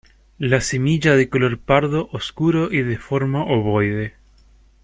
La semilla de color pardo oscuro y de forma ovoide.